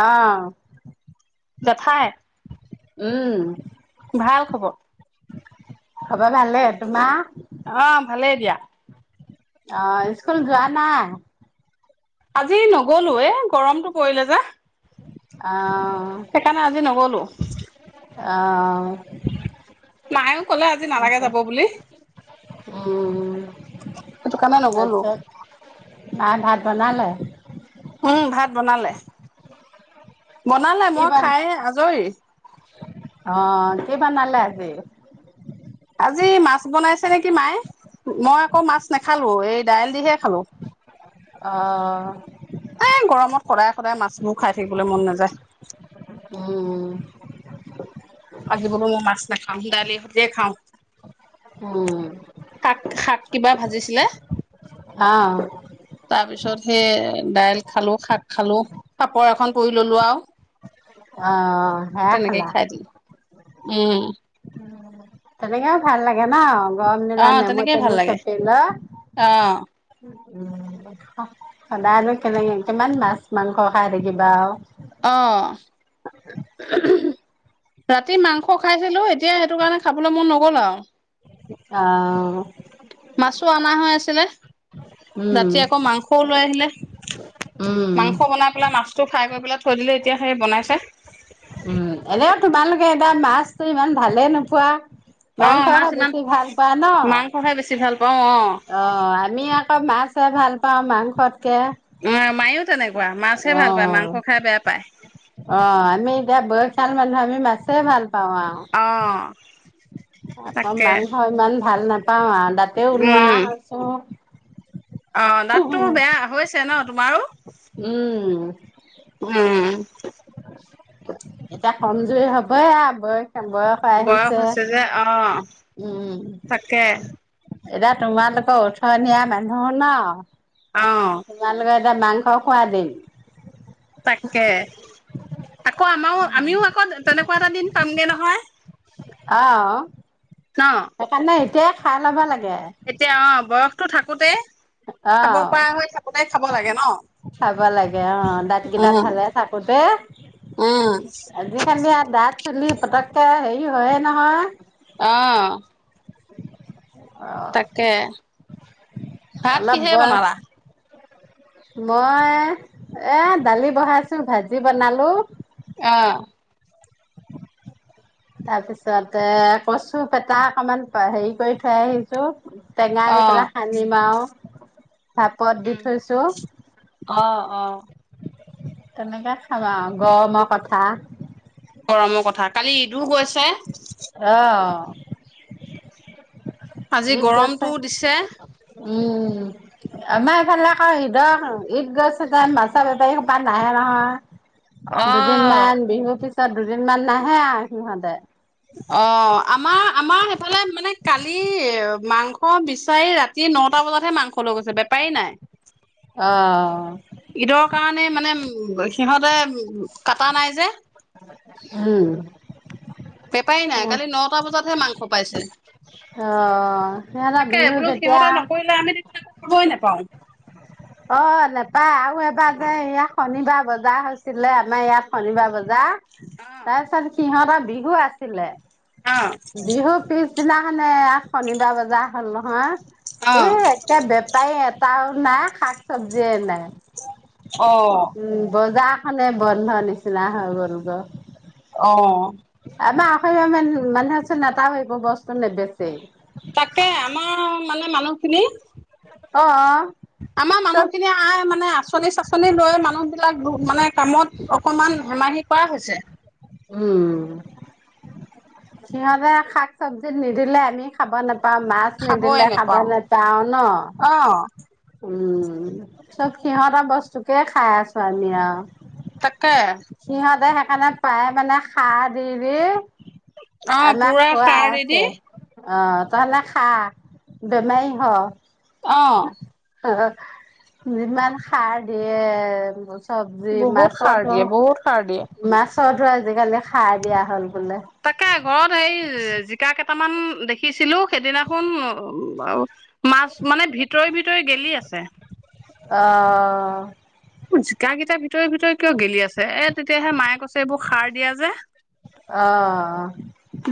অঁ! জেঠাই। উম ভাল খবৰ খব ভালে তোমাৰ অঁ! ভালেই দিয়া। অ স্কুল যোৱা নাই আজি নগলো এ, গৰমতটো পৰিলে যে। অ', সেইকাৰণে, আজি নগলো। অঁ নাইও কলে আজি নালাগে আচ্ছা, যাব বুলি, উম, সেইটো কাৰণে নগলো। তাৰপিছত মায়ে ভাত বনালে? উম, ভাত বনালে? বনালে কি মই বন খাই আজৰি। অ', কি বানালে আজি? আজি মাছ বনাইছে নেকি মায়ে, মই আকৌ মাছ নাখালো এই দাইল দিহে খালো। অহ! এ গৰমত সদায় সদায় মাছবোৰ খাই থাকিবলৈ মন নাযায়। উম আজি বোলো মই মাছ নাখা আমদালিৰ সৈতে খাওঁ। উম, শাক-শাক কিবা ভাজিছিলে? অ', তাৰ পিছত সেই দাইল খালোঁ, শাক খালো, পাপৰ এখন পুৰি ললো আৰু অ' সেয়ায় তেনেকে খালা খাই দিলো উম তেনেকে ভাল লাগে ন? গৰম দিনত আহ নেমু তেনেকেই ভাল সেমু লাগে চেপি ল আহ উম সদায়নো কেনেই কিমান মাছ মাংস খাই থাকিবা আৰু অহ! [unintelligible] ৰাতি মাংস খাইছিলো এতিয়া সেইটো কাৰণে খাবলৈ মন নগ'ল আৰু আ-আহ মাছো অনা হৈ আছিলে। উম, ৰাতি আকৌ মাংসও লৈ আহিলে। উম। মাংস বনাই পেলাই মাছতটো ফ্ৰাই কৰিব আগবেলা থৈ দিলে এতিয়া সেই বনাইছে। উম এনেও তোমালোকে এতিয়া মাছতো ইমান ভালে নোপোৱা। অ মাংসহে মাছ ইমান বেছি ভাল পোৱা ন? মাংসহে বেছি ভাল অ আমি আকৌ মাছ খাই ভাল পাওঁ মাংসত অহ মায়ো তেনেকুৱা মাছহে ভাল পায় অ', মাংস খাই বেয়া পায়। অ', আমি [unintelligible] মানুহ আমি মাছে ভাল পাওঁ আৰু, অ [unintelligible] তাকে মাংস ইমান ভাল নাপাওঁ আৰু দা‍ঁত বুঢ়া উম হৈছো। অ দাঁতটো বেয়া হৈছে ন তোমাৰ উম। উম। এতিয়া কমজুৰি হ'বয়ে আৰ ব বয়স হৈছে যে অহ্ উম, তাকে এতিয়া তোমালোকৰ উঠনীয়া মানুহ ন অ তোমালোকে এটা মাং অ' খুৱাই দিল তাকে, আকৌ আমাৰ ও আমিও আকৌ তেনেকুৱা এটা দিন পামগে নহয়। অ'। ন সেইকাৰণে এতিয়া খাই ল'ব লাগে এতিয়া অ বস তো থাকোতে অ খাব পৰা হৈ থাকোতে খাব লাগে ন খাব লাগে অ দাঁত কেইটা উম ভালে থাকোতে উম আজিকালি আৰ দাঁত চুলি পতককে হেৰি কি হয়ে নহয় আহ! অহ! ভাত কিহেৰে বনালা? মই এ এ দালি বহাইছো ভাজি বনালো। আহ! তাৰ পিছতে কচু কেইটা অকণমান হেৰি কৰি থৈ আহিছো। টেঙা অ দি পেলাই সানিবাও ভাপত দি উম থৈছো। অ অ তেনেকৈ খাব ও গৰমৰ কথা। গৰমৰ কথা কালি, ইটোও গৈছে। অ', আজি ঈদ গৈছে। গৰমটো দিছে। উম, আমাৰ এইফালে আকৌ ঈদৰ, ঈদ গৈছেগে মাছৰ বেপাৰী সোপা নাহে অ নহয়। দুদিনমান বিহু পিছ পিছত দুদিনমান নাহে আৰ সিহঁতে। অ', আমাৰ, আমাৰ সেইফালে মানে কালি মাংস বিচাৰি ৰাতি নটা বজাতহে মাংস লৈ গৈছে, বেপাৰী নাই। অ'। ঈদৰ কাৰণে মানে উ সিহঁতে কাটা নাই যে। উম। বেপাৰী নাই কালি নটা বজাতহে মাংস কপাইছে অ', সিহঁতৰ বিহুত বোলো যেতিয়া সিহঁতে নকৰিলে আমি [unintelligible] অ', নেপায় আৰু এবাৰ যে ইয়াত শনিবাৰ বজাৰ হৈছিলে আমাৰ ইয়াত শনিবাৰ বজাৰ তাৰ পিছত সিহঁত বিহু আছিলে। খাবই নাপাওঁ বিহু পিছদিনাখনে এয়া শনিবাৰ বজাৰ হ'ল নহয়। অ এ, একে বেপাৰী এটাও। নাই শাক চব্জি এই নাই। অ উম, বজা মানে বন্ধ নিচিনা হৈ গ'ল গ। অ'। [unintelligible] [unintelligible] বস্তু নেবেচেই। তাকে আমাৰ মানে মানুহখিনি অ আমাৰ চব মানুহখিনিয়ে আই মানে আঁচনি চাচনি লৈ মানুহ বিলাক মানে কামত অকমান হেমাহি কৰা হৈছে। উম। সিহঁতে শাক-চব্জিত নিদিলে আমি খাব নাপ তা, মাছ খাবই নিদিলে খাব নোপাও নেপাঁও ন'। অ উম, চব সিহঁতৰ বস্তুকে খাই আছো আমি আৰু। [inaudible] সিহঁতে সেইকাৰণে পায় মানে সাৰ দি দি অ', আমাক পুৰা খোৱাই সাৰ দিদি আছে অ', তহঁতে খা বেমাৰী হ'। অ'। যিমান সাৰ দিয়ে বচ চব্জি বহুত সাৰ মাছতো দিয়ে বহুত সাৰ দিয়ে। [unintelligible] আজিকালি সাৰ দিয়া হ'ল বোলে তাকে ঘৰত হেই জিকা কেইটা কেটামান দেখিছিলো। সেইদিনাখন মাছ মানে ভিতৰি, ভিতৰি গেলি আছে। অ'। জিকাকেইটা ভিতৰে ভিতৰে কিয় গেলি আছে এত তেতিয়াহে মায়ে কৈছে এইবোৰ সাৰ দিয়া যে, অ',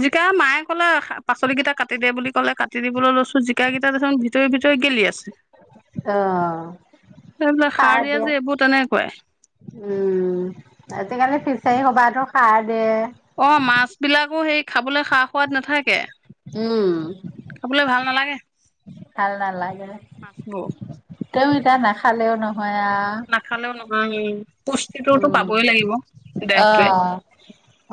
জিকা, মায়ে কলে পাচলিকেইটা কাটি দে বুলি কলে, কাটি দিবলৈ লৈছো জিকাকেইটা দেখোন ভিতৰে ভিতৰি গেলি আছে। অ', এইবোলে সাৰ দিয়া যে এইবোৰ তেনেকুৱাই উম আজিকালি ফিচাৰীসবাতো সাৰ দিয়ে অ মাছবিলাকো সেই, খাবলৈ সা-সোৱাদ নাথাকে উম, খাবলৈ ভাল নালাগে ভাল নালাগে মাছবোৰ তেও এতিয়া নাখালেও নহ নাখালেও নহয় উম! পুষ্টিটোতো উম, পাবই লাগিব দেহটোৱে, অ',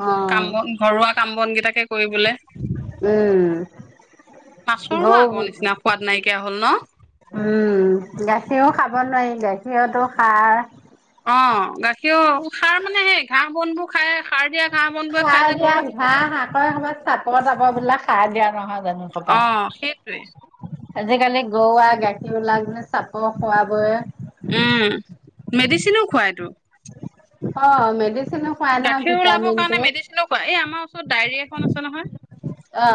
অ', কাম-বন ঘৰুৱা কাম-বন কেই, তাকে, উম, গৰু উম মাছৰো আগৰ নিচিনা গাখীৰও সোৱাদ নাইকিয়া হ'ল ন খাব নোৱাৰি গাখীৰ সিহঁতো খাৰ অ গাখীৰো সাৰ মানে সেই ঘাঁহ বনবোৰ খাই সাৰ দিয়া ঘাঁহ বনবোৰে খাই যে সাৰ দিয়া গৰুৱে ঘাঁহ হাকৰ সময়ত চাপৰ তাপৰবিলাক সাৰ দিয়া নহয় জানো সপা অ' সেইটোৱে আজিকালি গৰু আৰু গাখীৰবিলাক যে চাপৰ খোৱাবোৰে উম, মেডিচিনো খুৱাইটো অ', মেডি গাখীৰ ওলাবৰ কাৰণে মেডিচিনো খুৱায়। এই, আমাৰ ওচৰত ডায়েৰী এখন আছে নহয়। অ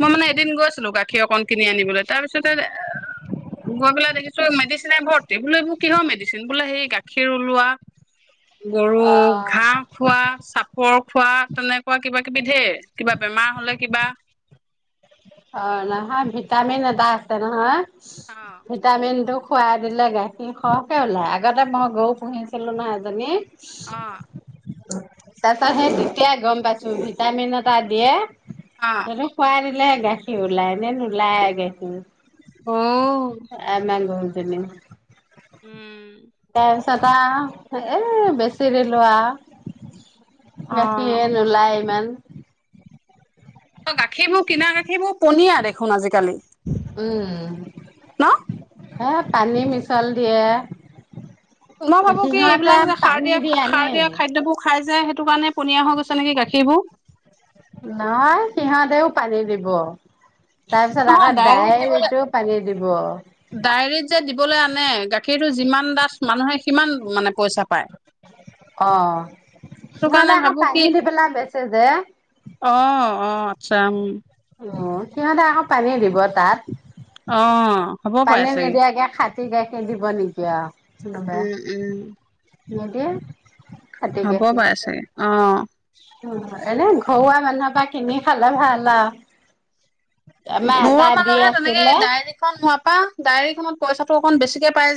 মই, মানে, এদিন গৈছিলোঁ গাখী খীৰ অকণ কিনি আনিবলৈ তাৰপিছতে, গৈ পেলাই দেখিছোঁ মেডিচিনে ভৰ্তি। বোলো, এইবোৰ কিহৰ মেডিচিন? বোলে, সেই গাখীৰ ওলোৱা গৰু, অ ঘাঁহ খোৱা চাপ পৰ্ক খোৱা, তেনেকুৱা কিবাকিবি ধেৰ কিবা বেমাৰ হ'লে কিবা অ', নহয়, ভিটামিন এটা আছে নহয় অ ভিটামিনটো খুৱাই দিলে গাখীৰ সৰহকে ওলাই আগতে মই গৰু পুহিছিলো নহয় এজনী। অ'। তাৰ পিছত সেই তেতিয়াই গম পাইছো ভিটামিন এটা দিয়ে। অ এনে খোৱাই নি [unintelligible] সি ওলাই নে নোলায় অ [unintelligible] [inaudible] উম [unintelligible] তাৰ পিছত আ এ, বেছি দিলোৱা। অ গাখীৰে নোলায় ইমান। অ', গাখীৰবোৰ কিনা গাখীৰবোৰ পনীয়া দেখোন আজিকালি ন'? হে, পানী মিছল দিয়ে। মই ভাবো কি সিহঁতে এইবিলাক যে সাৰ পানী দিয়া দি আনে। সাৰ দিয়া খাদ্যবোৰ খাই। যে সেইটো কাৰণে পনীয়া হৈ গৈছে নেকি গাখীৰবোৰ। নহয় সিহঁতেও পানী দিব। তাৰপিছত নহয় আকৌ ডায়েৰীত দিবলৈ ডায়েৰীটো পানী দিব। মানে গাখীৰটো যিমান ডাঠ মানুহে সিমান মানে পইচা পায় অ', সেইটো নহ'লে কাৰণে আকৌ ভাবো কি পানী দি পেলাই বেচে যে। অ', অ', আচ্ছা, উম। অ' সিহঁতে আকৌ পানী দিব তাত। অ হ'ব পাৰে পানী চাগে নিদিয়াকে খাটি গাখীৰ দিব নেকি আৰু কোনোবাই। উম উম নিদিয়ে। খাটি হ'ব বাৰু চাগে অ'। উম, এনে ঘৰুৱা মানুহৰ পৰা কিনি খালে ভাল আৰু ঘৰুৱা মানুহে তেনেকে ডায়েৰীখন হোৱাৰ পৰা ডায়েৰীখনত পইচাটো অকণ বেছিকৈ পায়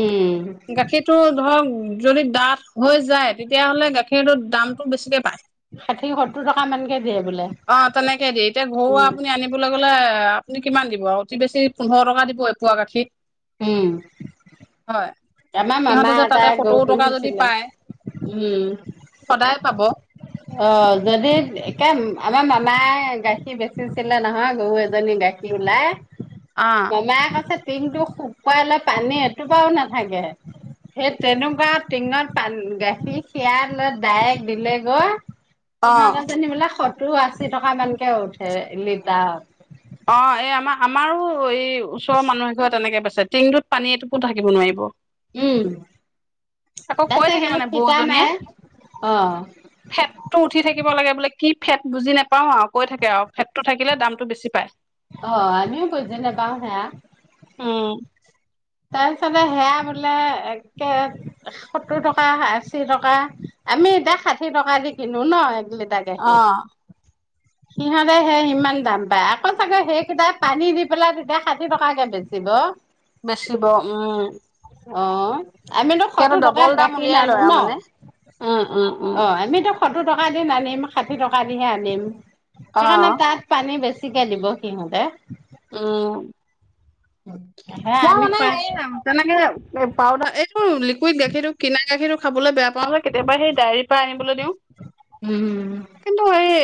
উম গাখীৰটো ধৰক যদি ডাঠ হৈ যায় তেতিয়াহ'লে গাখীৰটো দামটো বেছিকে পায়। ষাঠি সত্তৰ টকা মানকে দিয়ে বোলে উম। [unintelligible] এ, আপুনি কিমান দিব অতি বেছি পোন্ধৰ টকা দিব এপোৱা গাখীৰ। উম। হয় আমাৰ মামা সিহঁতে যে এটা তাতে গৰু সত্তৰ টকা যদি পুহিছিলে পায় উম সদায় পাব অ যদি একে আমাৰ মামাই গাখীৰ বেচিছিলে নহয়। গৰু এজনী গাখীৰ ওলায়। অ মামাই কৈছে টিংটো শুকোৱে পানী এইটোপাও ন থাকে। সেই তেনেকুৱা টিনত পান, গাখীৰ খীৰাই লৈ ডাইৰেক্ট দিলে গৈ অ ইহঁত এজনী বোলে স। টো আশী টকা মানকে উঠে লিটাৰত। অ এই আমাৰ আমাৰো। আকৌ, এই ওচৰৰ মানুহ এঘৰে তেনেকে বেচ টিং টোত পানী এটুপো থাকিব নোৱাৰিব উম আকৌ তাৰপিছত কৈ থাকে মানে সিহঁতক ফিটা বৌজনীয়ে মাৰে অ ফেতটো উঠি থাকিব লাগে বোলে কি। ফেট বুজি নাপাওঁ আৰু কৈ থাকে আৰু ফেটটো থাকিলে দামটো বেছি পায়। অ' আমিও বুজি নাপাওঁ সেয়া। উম তাৰপিছতে সেয়া বোলে একে সত্তৰ টকা আশী টকা আমি এতিয়া ষাঠি টকা দি কিনো ন। লে দাগে অ সে সিহঁতে সেয়া ইমান দাম পায় আকৌ চাগে সেইকেইটা পানী দি পেলাই ষাঠি টকাকৈ বেচিব। বেচিব উম। অ। আমিতো সিহঁতৰ সত্তৰ ডবল টকাত দাম গাখীৰ উলিয়াই নানো লয় আৰু ন মানে। উম উম উম। অ আমিতো। সত্তৰ টকাকে নানিম ষাঠি টকা দিহে আনিম। অ সেইকাৰণে তাত পানী বেছি। শিকাই দিব সিহঁতে। উম। হে মই আমি মানে খোৱা এই তেনেকে পাউদাৰ এই। অ লিকুইড গাখীৰো কিনা গাখীৰো। খাবলৈ বেয়া পাওকেতিয়াবা সেই ডায়েৰী। প্ৰয়ে আনিবলৈ দিওঁ উম কিন্তু এই।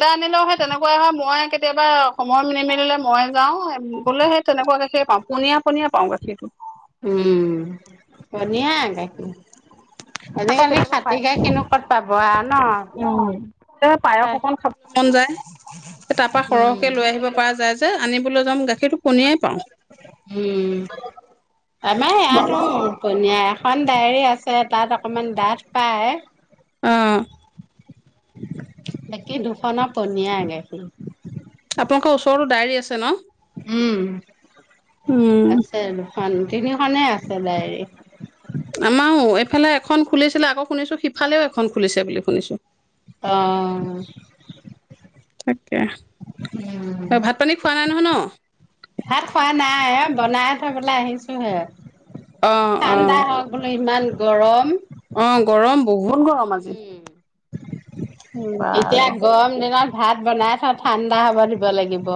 এটা আনিলেও হয় তেনেকুৱাই হয় মই। কেতিয়াবা সময় নিমিলিলে মই। যাওঁ গ'লে সেই তেনেকুৱাকে সেই। পনীয়া পনীয়া পাওঁ গাখীৰটো। উম বনিয়া ক আকৌ কেতিয়াবা পায় উ আৰু ন। কেতিয়াবা পায়স অকন খাব মন যায় ।তাৰ পৰাা সৰহকে লৈ আহিব পৰা যায়। আনিবলৈ যাম গাখীৰটো পনীয়াই পাওঁ উম আমা ইয়াতো বনীয়া এখন ডায়ৰী আছে, তাত অকমান ডাঠ পায় অ। বাকী দুখনৰ পনীয়াই গাখিৰ। আপোনালোকৰ ওচৰতো ডায়েৰী আছে ন? উম, উম আছে আৰু এখন, তিনিখনেই আছে ডায়েৰী। আমাও, এইফালে এখন খুলিছিলে আকৌ শুনিছো সিফালেও এখন খুলিছে বুলি শুনিছো। অ [unintelligible] তেহ, উম, তই ভাত-পানী খোৱা নাই নহয় ন? ভাত খোৱা নাই এ বনাই থৈ পেলাই আহিছো হে। অ অ ঠাণ্ডা হওঁক বোলো ইমান গৰম। অ গৰম বহু বহুত গৰম আজি। এতিয়া বাৰু গৰম দিনত ভাত বনাই থৈ ঠাণ্ডা হ'ব দিব লাগিব।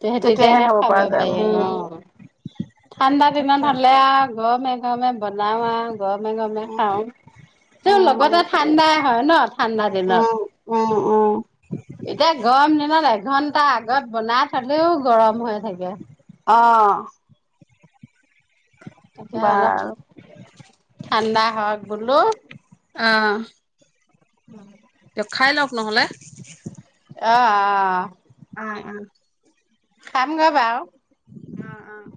তেহ তেতিয়াহে খাব পৰা যায় পাৰি উম অ'। ঠাণ্ডা দিনত তাকে হ'লে আৰু গমে গমে বনাওঁ আও গৰমে গমে উম খাওঁ । তেওঁ লগতে উম ঠাণ্ডাই হয় ন। ঠাণ্ডা দিনত। অ'-অ' এতিয়া গৰম দিনত এঘন্টা আগত বনাই থলেও গৰম হৈ থাকে। অ' তেতিয়া অলপ বাৰু ঠাণ্ডা [unintelligible] বুলো অহ দিয়ক, খাই লওঁক নহ'লে? অ', আ, আ। [unintelligible] খাম গৈ বাৰু। অ', অ'।